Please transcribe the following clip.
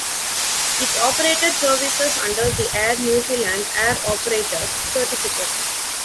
It operated services under the Air New Zealand air operators certificate.